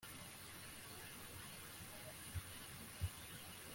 kuko n’abaza kuzigura bakoresha ibikoresho bituma biba abahinzi